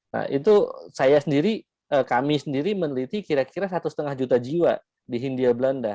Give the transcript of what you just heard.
nah itu saya sendiri kami sendiri meneliti kira kira satu lima juta jiwa di hindia belanda